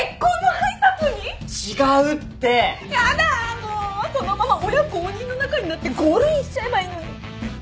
もうそのまま親公認の仲になってゴールインしちゃえばいいのに。